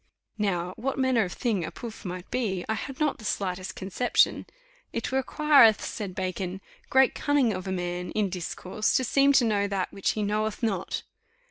Now what manner of thing a pouf! might be, I had not the slightest conception. "It requireth," said Bacon, "great cunning for a man in discourse to seem to know that which he knoweth not."